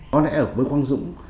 có lẽ ở với quang dũng